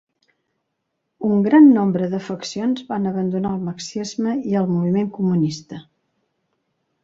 Un gran nombre de faccions van abandonar el marxisme i el moviment comunista.